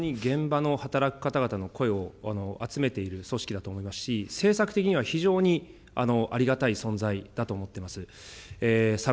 私は連合っていうのは、非常に現場の働く方々の声を集めている組織だと思いますし、政策的には非常にありがたい存在だと思っています。